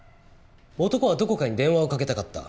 男はどこかに電話をかけたかった。